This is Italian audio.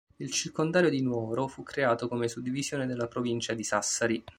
Il circondario di Nuoro fu creato come suddivisione della provincia di Sassari.